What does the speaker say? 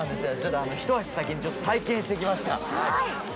ひと足先に体験してきました。